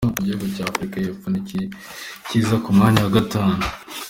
Igihugu cya Afurika y’Epfo ni cyo kiza ku mwanya wa gatanu.